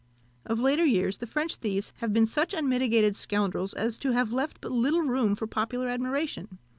Of later years, the French thieves have been such unmitigated scoundrels as to have left but little room for popular admiration.